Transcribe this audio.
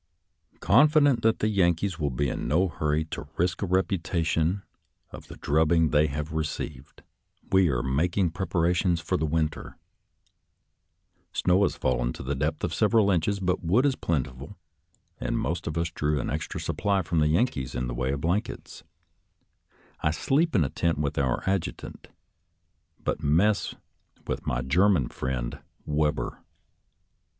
«•»«» Confident that the Yankees will be in no hurry to risk a repetition of the drubbing they have received, we are making preparations for the winter. Snow has fallen to the depth of several inches, but wood is plentiful — ^and most of us drew an extra supply from the Yankees in the way of blankets. I sleep in a tent with our adjutant, but mess with my German friend, Webber.